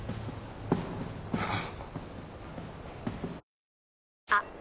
はあ。